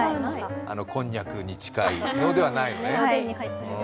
あのこんにゃくに近いのではないのね。